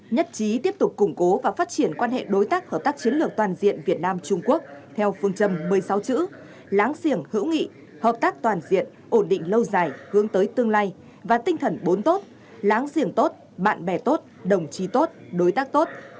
nhất trí tiếp tục củng cố và phát triển quan hệ đối tác hợp tác chiến lược toàn diện việt nam trung quốc theo phương châm một mươi sáu chữ láng giềng hữu nghị hợp tác toàn diện ổn định lâu dài hướng tới tương lai và tinh thần bốn tốt láng giềng tốt bạn bè tốt đồng chí tốt đối tác tốt